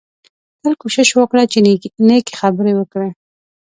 تل کوشش وکړه چې نېکې خبرې وکړې